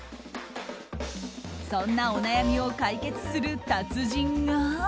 そんなお悩みを解決する達人が。